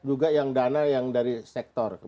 ada juga yang dana yang dari sektor sektor